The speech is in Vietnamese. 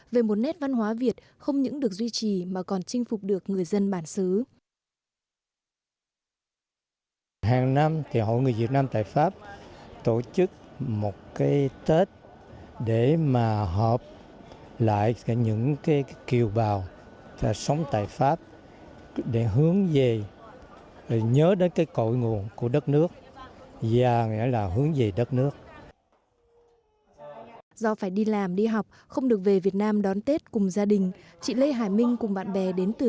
về một nét văn hóa việt không những được duy trì mà còn chinh phục được người dân bản xứ